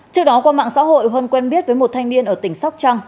trước đó qua mạng xã hội huân quen biết với một thanh niên ở tỉnh sóc trăng